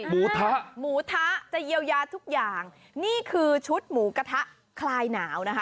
หมูทะหมูทะจะเยียวยาทุกอย่างนี่คือชุดหมูกระทะคลายหนาวนะคะ